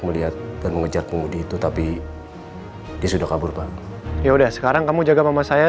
melihat dan mengejar pengemudi itu tapi dia sudah kabur pak ya udah sekarang kamu jaga mama saya